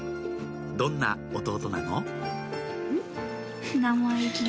どんな弟なの？